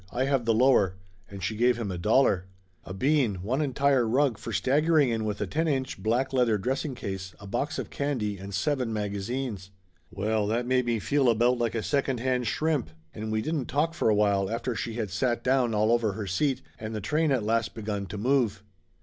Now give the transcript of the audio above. I have the lower!" And she gave him a dollar. A bean one entire rug for staggering in with a ten inch black leather dressing case, a box of candy and seven magazines! Well, that made me feel about like a second hand shrimp, and we didn't talk for a while after she had sat down all over her seat, and the train at last begun to move.